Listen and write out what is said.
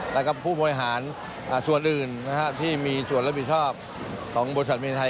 แล้วก็ผู้บริหารส่วนอื่นที่มีส่วนแล้วบริโฆษณ์ของบริษัทประนียนไทย